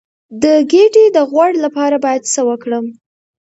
د ګیډې د غوړ لپاره باید څه وکړم؟